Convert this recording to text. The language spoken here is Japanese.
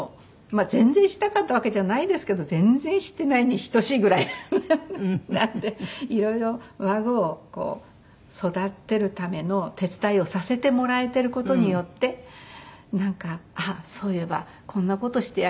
全然しなかったわけじゃないですけど全然してないに等しいぐらいなんで色々孫を育てるための手伝いをさせてもらえてる事によってなんかそういえばこんな事してやれなかったな。